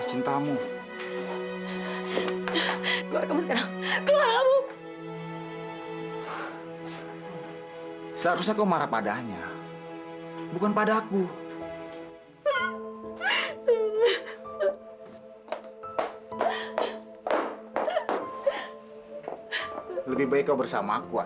tidak ada gunanya kamu berdua